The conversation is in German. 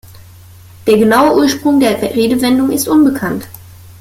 Der genaue Ursprung der Redewendung ist unbekannt.